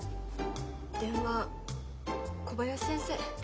電話小林先生。